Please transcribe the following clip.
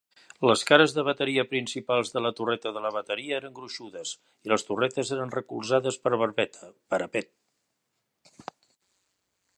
Les cares de bateria principals de la torreta de la bateria eren gruixudes i les torretes eren recolzades per barbeta (parapet).